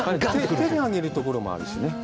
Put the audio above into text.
手で上げるところもあるしね。